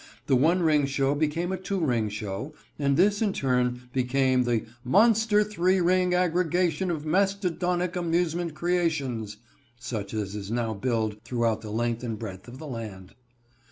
The one ring show became a two ring show, and this in turn became the "monster three ring aggregation of mastodonic amusement creations," such as is now billed throughout the length and breadth of the land.